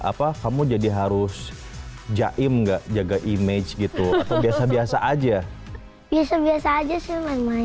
apa kamu jadi harus jaim enggak jaga image gitu atau biasa biasa aja biasa biasa aja sih main main